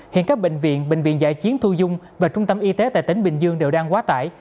hiện các bệnh viện bệnh viện giải chiến thu dung và trung tâm y tế tại tỉnh bình dương đều đang quá tải